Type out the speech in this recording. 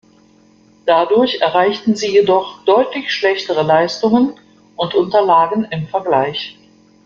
Dadurch erreichten sie jedoch deutlich schlechtere Leistungen und unterlagen im Vergleich.